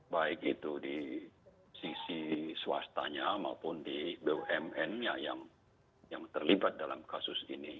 baik itu di sisi swastanya maupun di bumn nya yang terlibat dalam kasus ini